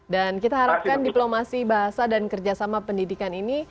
dan kita harapkan diplomasi bahasa dan kerjasama pendidikan ini